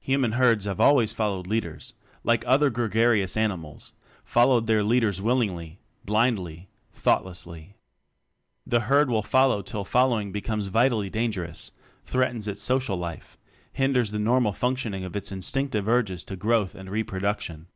Human herds have always followed leaders, like other gregarious animals; followed their leaders willingly, blind ly, thoughtlessly. The herd will follow till following becomes vitally dangerous, threatens its social life hinders the normal functioning of its instinctive urges to growth and reproduction.